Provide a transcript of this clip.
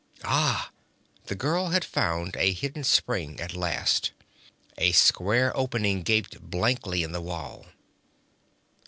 'Ah!' The girl had found a hidden spring at last; a square opening gaped blackly in the wall.